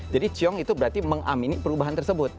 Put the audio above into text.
jadi ciong itu berarti mengamini perubahan tersebut